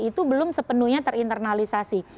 itu belum sepenuhnya terinternalisasi